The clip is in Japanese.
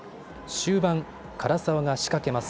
終盤、唐澤が仕掛けます。